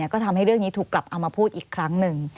ก็ทำให้เรื่องนี้ถูกกลับเอามาพูดอีกครั้งหนึ่ง